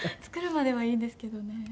作るまではいいんですけどね。